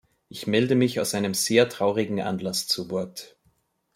Ich melde mich aus einem sehr traurigen Anlass zu Wort.